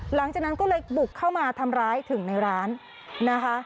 หลังจากนั้นก็เลยบุกเข้ามาทำร้ายถึงในร้านนะคะ